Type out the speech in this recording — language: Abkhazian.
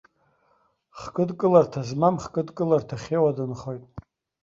Хкыдкыларҭа змам хкыдкыларҭа ахьиоуа дынхоит.